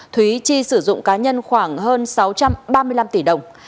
thúy chi sử dụng cá nhân khoảng hơn sáu trăm ba mươi năm tỷ đồng